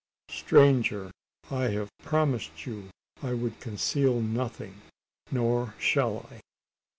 "Stranger! I have promised you I would conceal nothing; nor shall I.